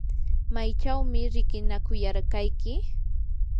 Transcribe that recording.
¿maychawmi riqinakuyarqayki?